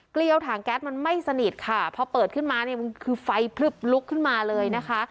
เลี้ยวถังแก๊สมันไม่สนิทค่ะพอเปิดขึ้นมาเนี่ยมันคือไฟพลึบลุกขึ้นมาเลยนะคะ